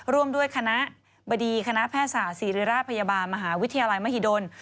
ร่วมด้วยคณะบดีคณะแพทยศาสตร์ศิริราชพยาบาลมหาวิทยาลัยมหิดล